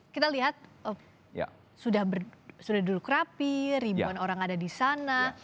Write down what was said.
kita lihat sudah duduk rapi ribuan orang ada di sana